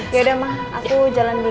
yaudah ma aku jalan dulu ya